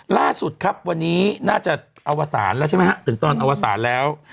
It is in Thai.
ล่าสุดครับวันนี้น่าจะอวสารแล้วใช่ไหมฮะถึงตอนอวสารแล้ว